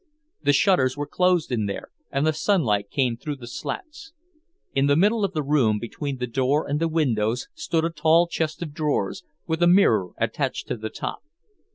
The shutters were closed in there, and the sunlight came through the slats. In the middle of the floor, between the door and the windows, stood a tall chest of drawers, with a mirror attached to the top.